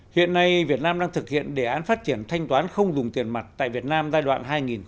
hiện nay việt nam đang thực hiện đề án phát triển thanh toán không dùng tiền mặt tại việt nam giai đoạn hai nghìn một mươi sáu hai nghìn hai mươi